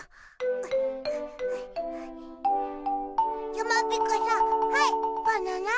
やまびこさんはいバナナ。